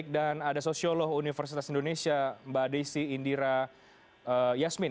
dan ada sosiolog universitas indonesia mbak desi indira yasmin